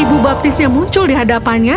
ibu baptisnya muncul di hadapannya